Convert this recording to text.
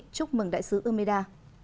chúc mừng đại sứ umeda